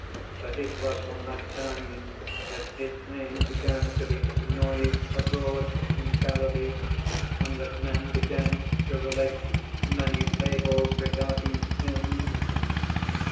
But it was from that time that his name began to be noised abroad in Galilee, and that men began to relate many fables regarding him."